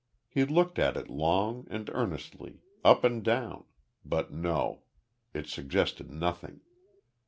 He looked at it long and earnestly up and down, but no. It suggested nothing.